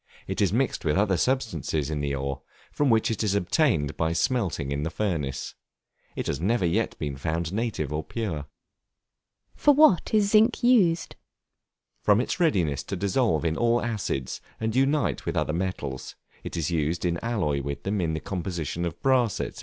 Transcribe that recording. It is mixed with other substances in the ore, from which it is obtained by smelting in the furnace. It has never yet been found native or pure. For what is Zinc used? From its readiness to dissolve in all acids, and unite with other metals, it is used in alloy with them in the composition of brass, &c.